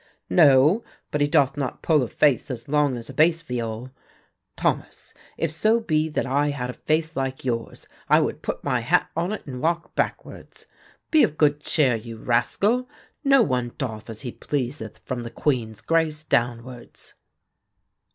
"No, but he doth not pull a face as long as a base viol. Thomas, if so be that I had a face like yours, I would put my hat on it and walk backwards. Be of good cheer, you rascal, no one doth as he pleaseth from the Queen's grace downwards."